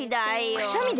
くしゃみで？